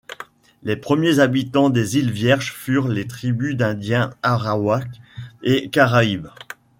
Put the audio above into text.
Les premiers habitants des îles Vierges furent les tribus d'indiens Arawaks et Caraïbes.